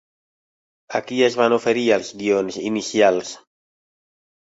A qui es van oferir els guions inicials?